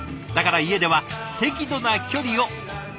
だから家では適度な距離を。